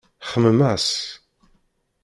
Xemmem-as.